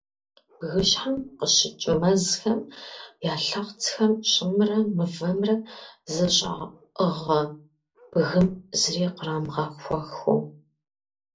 Бгыщхьэм къыщыкӏ мэзхэм я лъэхъыцхэм щӏымрэ мывэмрэ зэщӏаӏыгъэ бгым зыри кърамыгъэхуэхыу.